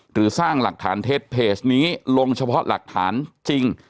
หรือสร้างหลักฐานเท็จเพจนี้ลงเฉพาะหลักฐานจริง